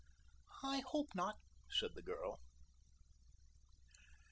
"I hope not," said the girl.